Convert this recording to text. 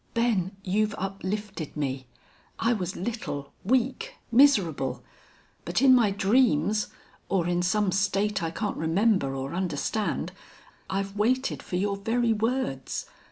Ben, you've uplifted me. I was little, weak, miserable.... But in my dreams, or in some state I can't remember or understand, I've waited for your very words.